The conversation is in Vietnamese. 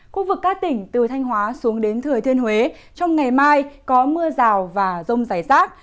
khu vực các tỉnh từ thanh hóa xuống đến thừa thiên huế trong ngày mai có mưa rào và rông rải rác